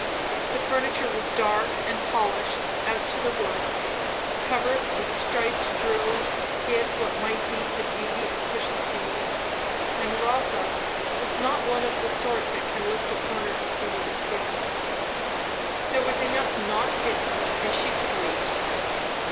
The furniture was dark and polished, as to the wood; covers of striped drilling hid what might be the beauty of cushions beneath, and Rotha was not one of the sort that can lift a corner to see what was hidden. There was enough not hidden, and she could wait.